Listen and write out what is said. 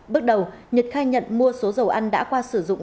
bước đầu nhật khai nhận mua số dầu ăn đã qua sử dụng